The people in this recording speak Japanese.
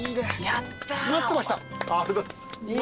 待ってました！